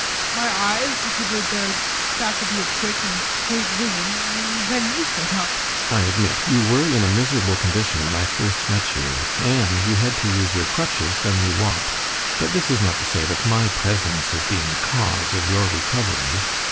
My eyes recovered their faculty of quick and straight vision and then you showed up. GUSTAV. I admit you were in a miserable condition when I first met you, and you had to use your crutches when you walked, but this is not to say that my presence has been the cause of your recovery.